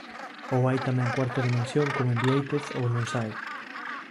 Ou hai tamén cuarta dimensión, como en Biéitez, ou non sae.